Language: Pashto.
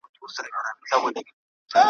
په لومړۍ ورځ چي په کار پسي روان سو `